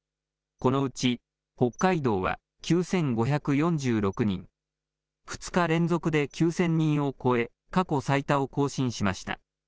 このうち北海道は９５４６人、２日連続で９０００人を超え、過去最多を更新しました。